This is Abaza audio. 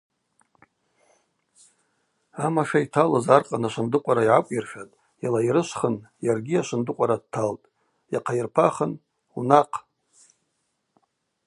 Амаша йталыз аркъан ашвындыкъвара йгӏакӏвйыршатӏ, йалайрышвхын йаргьи ашвындыкъвара дталтӏ, йахъайырпахын: – Унахъ.